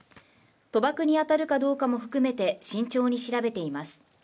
賭博に当たるかどうかも含めて慎重に調べています